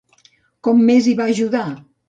Com més hi va ajudar?